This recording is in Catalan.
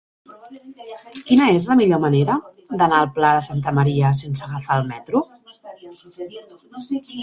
Quina és la millor manera d'anar al Pla de Santa Maria sense agafar el metro?